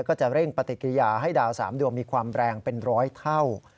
ก็จะเร่งปฏิกิริยาให้ดาว๓ดวงมีความแรงเป็นร้อยเท่า